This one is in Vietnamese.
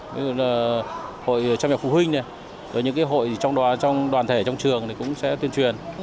ví dụ là hội trang nhập phụ huynh này rồi những cái hội trong đoàn thể trong trường thì cũng sẽ tuyên truyền